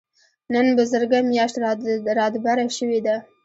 نن بزرګه مياشت رادبره شوې ده.